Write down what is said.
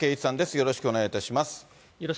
よろしくお願いします。